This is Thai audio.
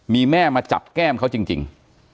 มีแม่มาจับแก้มเขาจริง